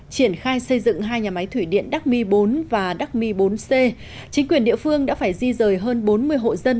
triển khai xây dựng hai nhà máy thủy điện đắc mi bốn và đắc mi bốn c chính quyền địa phương đã phải di rời hơn bốn mươi hộ dân